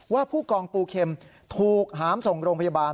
ผู้กองปูเข็มถูกหามส่งโรงพยาบาล